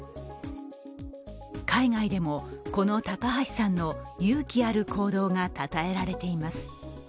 海外でもこの高橋さんの勇気ある行動がたたえられています。